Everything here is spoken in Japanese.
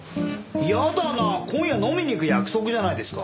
嫌だな今夜飲みに行く約束じゃないですか。